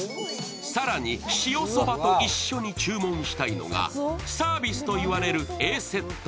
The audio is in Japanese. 更に、塩そばと一緒に注文したいのが、サービスといわれるＡセット。